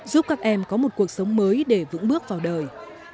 giúp các em có một cuộc sống mới để vững bước vào đời